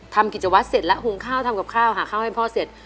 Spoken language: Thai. กิจวัตรเสร็จแล้วหุงข้าวทำกับข้าวหาข้าวให้พ่อเสร็จ